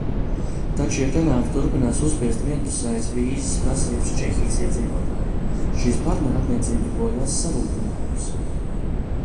Taču, ja Kanāda turpinās uzspiest vienpusējas vīzas prasības Čehijas iedzīvotājiem, šīs partnerattiecības bojās sarūgtinājums.